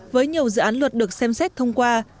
với nhiều dự án luật được xem xét thông qua